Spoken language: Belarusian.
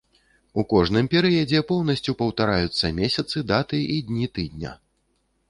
У кожным перыядзе поўнасцю паўтараюцца месяцы, даты і дні тыдня.